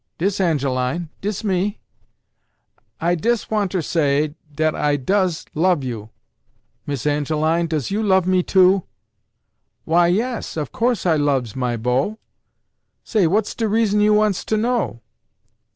Dis Angeline Dis me " "I des wanter say dat I does love you Miss Angeline does you love me, too ?" "Why yas Of course I loves my beau Say what's de reason you wants to know?"